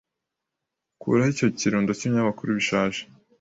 Kuraho icyo kirundo cyibinyamakuru bishaje.